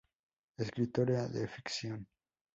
Escritora de ficción.